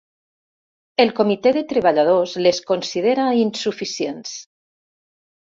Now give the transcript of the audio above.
El comitè de treballadors les considera insuficients.